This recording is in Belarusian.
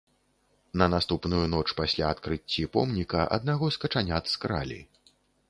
На наступную ноч пасля адкрыцці помніка аднаго з качанят скралі.